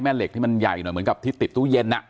เหมือนกับที่ติดตู้เย็นอะ